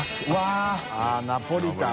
◆舛ナポリタン。